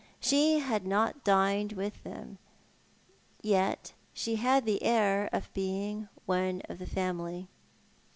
She had not dined with them, yet she had the air of being one of the family.